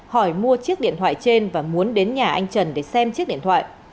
hỏi mua chiếc điện thoại trên và muốn đến nhà anh trần để xem chiếc điện thoại